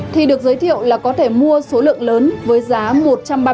thì được giới thiệu là có thể mua số lượng lớn với giá một trăm ba mươi trên một bộ